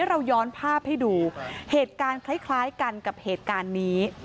เราย้อนภาพให้ดูเหตุการณ์คล้ายกันกับเหตุการณ์นี้